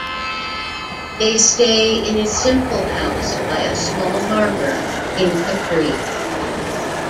They stay in a simple house by a small harbour in Capri.